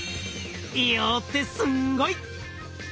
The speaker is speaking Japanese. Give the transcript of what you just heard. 硫黄ってすんごい！